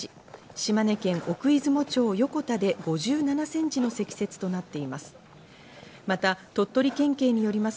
島根県奥出雲町横田で５７センチの積雪となっています。